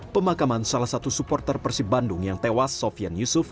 pemakaman salah satu supporter persib bandung yang tewas sofian yusuf